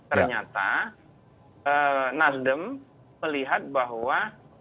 ternyata nasdem melihat bahwa